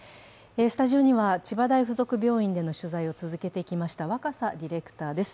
スタジオには千葉大附属病院での取材を続けてきました若狭ディレクターです。